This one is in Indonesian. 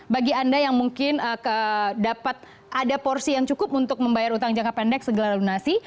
bagi anda yang mungkin dapat ada porsi yang cukup untuk membayar utang jangka pendek segala lunasi